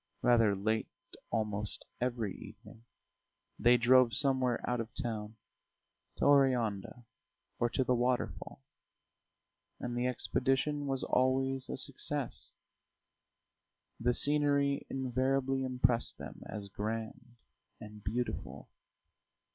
Rather late almost every evening they drove somewhere out of town, to Oreanda or to the waterfall; and the expedition was always a success, the scenery invariably impressed them as grand and beautiful.